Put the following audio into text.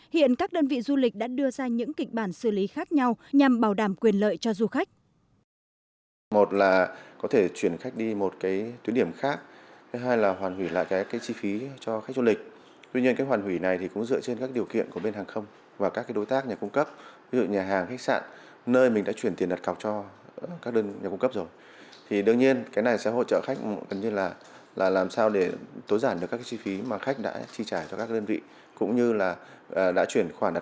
hiện các đơn vị du lịch đã đưa ra những kịch bản xử lý khác nhau nhằm bảo đảm quyền lợi cho du khách